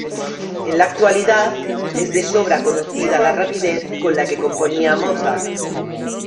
En la actualidad, es de sobra conocida la rapidez con la que componía Mozart.